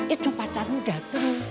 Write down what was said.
itu pacar muda tuh